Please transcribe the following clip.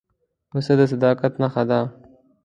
پسه د صداقت نښه ده.